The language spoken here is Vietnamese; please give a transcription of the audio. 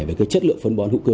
về chất lượng phân bón hữu cơ